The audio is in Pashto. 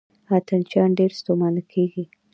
اتڼ چیان ډېر ستومانه کیږي.